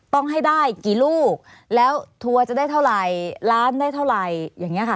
ต้องให้ได้กี่ลูกแล้วทัวร์จะได้เท่าไหร่ล้านได้เท่าไหร่อย่างนี้ค่ะ